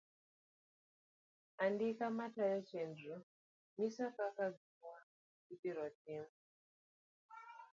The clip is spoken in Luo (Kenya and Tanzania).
Andika matayo chenrno ng'iso kaka gi moro ibiro tim.